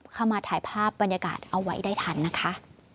เข้ามาถ่ายภาพบรรยากาศเอาไว้ได้ทันนะคะ